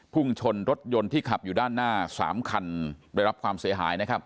พุ่งชนรถยนต์ที่ขับอยู่ด้านหน้า๓คันได้รับความเสียหายนะครับ